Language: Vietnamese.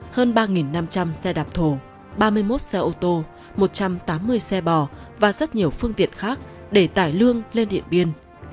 hơn ba năm trăm linh xe đạp thổ ba mươi một xe ô tô một trăm tám mươi xe bò và rất nhiều phương tiện khác để tải lương lên điện biên